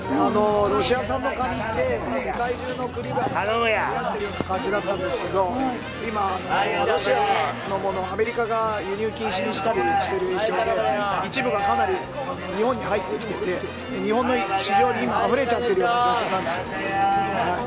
ロシア産のカニって世界中の国が集まっている感じだったんですがロシアのものを、アメリカが輸入禁止にしている影響で一部がかなり日本に入ってきていて日本市場にあふれている状況です。